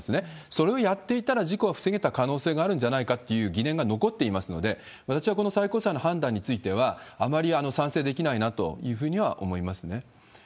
それをやっていたら事故が防げた可能性があるんじゃないかっていう疑念が残っていますので、私はこの最高裁の判断については、あまり賛成できないなというふうには思いますね。